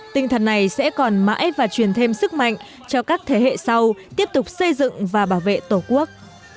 tinh thần này sẽ còn mãi và truyền thêm sức mạnh cho các thế hệ sau tiếp tục xây dựng và bảo vệ tổ quốc